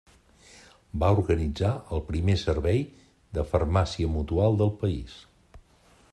Va organitzar el primer servei de farmàcia mutual del país.